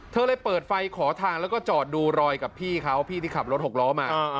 เธอเลยเปิดไฟขอทางแล้วก็จอดดูรอยกับพี่เขาพี่ที่ขับรถหกล้อมา